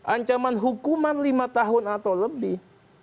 ancaman hukuman lima tahun atau lebih